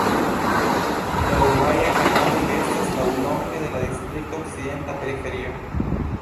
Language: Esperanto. La Dubaja Kanalo estas laŭlonge de la distrikta okcidenta periferio.